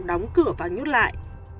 đóng cửa và nhút lại